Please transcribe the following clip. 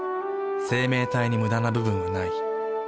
生命体にムダな部分はない。